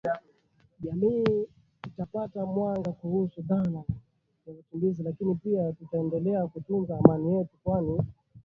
Jamii itapata mwanga kuhusu dhana ya wakimbizi lakini pia tutaendelea kutunza amani yetu kwani